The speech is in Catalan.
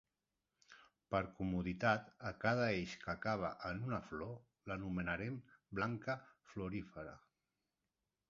Per comoditat a cada eix que acaba en una flor l'anomenarem branca florífera.